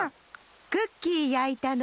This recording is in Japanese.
クッキーやいたの！